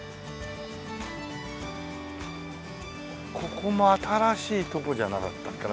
ここも新しいとこじゃなかったっけな。